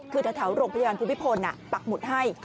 คือทะเถาโรงพยาบาลพิพิพลปักหมุดให้